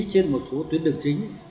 trên một số tuyến đường chính